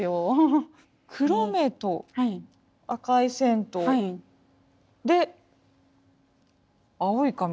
黒目と赤い線とで青い紙。